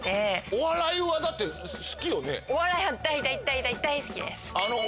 お笑いは大大大大大好きです！